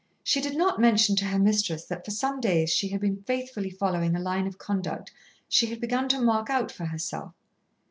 She did not mention to her mistress that for some days she had been faithfully following a line of conduct she had begun to mark out for herself.